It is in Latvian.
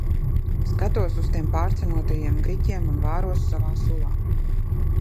Skatos uz tiem pārcenotajiem griķiem un vāros savā sulā.